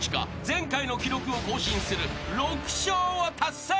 前回の記録を更新する６笑を達成］